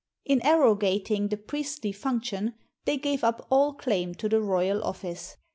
In arrogating the priestly function, they gave up all claim to the royal office.